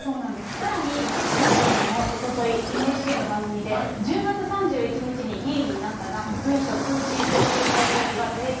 さらに池下議員もおととい、ＮＨＫの番組で、１０月３１日に議員になったが、文書通信交通滞在費は税金。